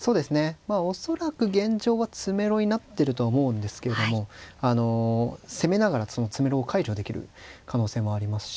まあ恐らく現状は詰めろになってるとは思うんですけれども攻めながらその詰めろを解除できる可能性もありますし。